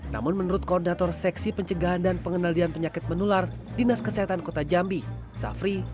namun menurut koordinator seksi pencegahan dan pengendalian penyakit menular dinas kesehatan kota jambi safri